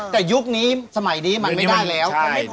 แต่ยุคนี้สมัยนี้มันไม่ได้แล้ว